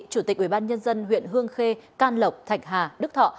chủ tịch ubnd huyện hương khê can lộc thạch hà đức thọ